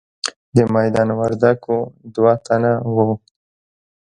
د میدان وردګو دوه تنه وو.